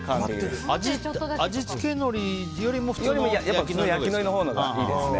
味付けのりよりも普通のほうがいいですか。